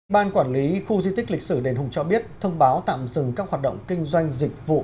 ban quản lý khu di tích lịch sử đền hùng cho biết thông báo tạm dừng các hoạt động kinh doanh dịch vụ